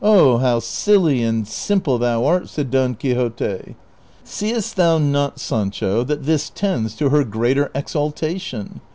" 0, how silly and simple thou art !" said Don Quixote ;" seest thou not, Sancho, that this tends to her greater exalta tion